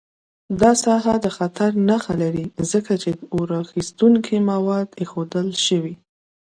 دا ساحه د خطر نښه لري، ځکه چې اور اخیستونکي مواد ایښودل شوي.